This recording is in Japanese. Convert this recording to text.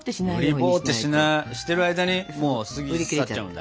うりぼってしてる間にもう過ぎ去っちゃうんだ。